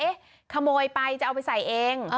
ขโมยไปจะเอาไปใส่เอง